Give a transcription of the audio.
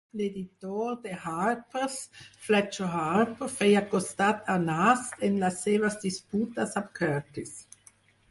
L'editor de "Harper's", Fletcher Harper, feia costat a Nast en les seves disputes amb Curtis.